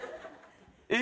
えっ？